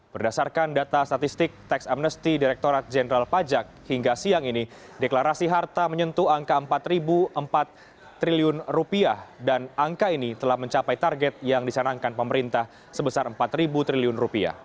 berdasarkan data statistik tax amnesty direkturat jenderal pajak hingga siang ini deklarasi harta menyentuh angka rp empat empat triliun dan angka ini telah mencapai target yang dicanangkan pemerintah sebesar rp empat triliun